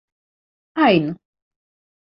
ajn